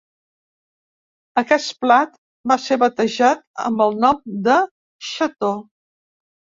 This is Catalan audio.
Aquest plat va ser batejat amb el nom de xató.